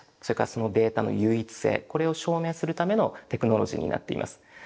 それからそのデータの唯一性これを証明するためのテクノロジーになっています。